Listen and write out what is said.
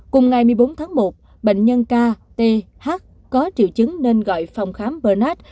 cùng ngày một mươi bốn tháng một bệnh nhân k t h có triệu chứng nên gọi phòng khám bernard